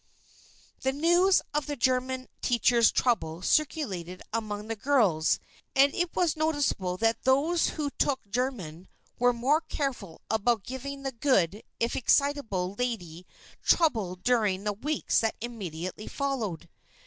The news of the German teacher's trouble circulated among the girls and it was noticeable that those who took German were more careful about giving the good, if excitable, lady trouble during the weeks that immediately followed.